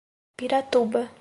Piratuba